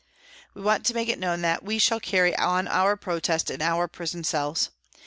" We want to make it known that we shall carry on our protest in our prison cells.